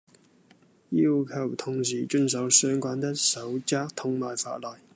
要求同事遵守相關的守則同埋法例